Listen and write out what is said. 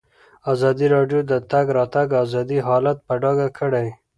ازادي راډیو د د تګ راتګ ازادي حالت په ډاګه کړی.